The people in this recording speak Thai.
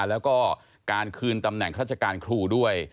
แล้วก็การคืนตำแหน่งราชการครูด้วย